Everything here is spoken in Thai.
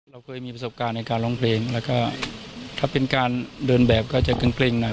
เราเคยมีประสบการณ์ในการร้องเพลงแล้วก็ถ้าเป็นการเดินแบบก็จะเกร็งหน่อย